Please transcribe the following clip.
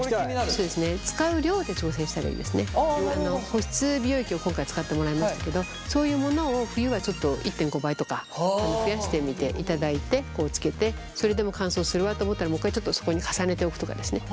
保湿美容液を今回使ってもらいましたけどそういうものを冬はちょっと１．５倍とか増やしてみていただいてつけてそれでも乾燥するわと思ったらもう一回ちょっとそこに重ねておくとかですね